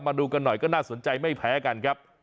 มาดูกันหน่อยก็น่าสนใจไม่แพ้กันครับ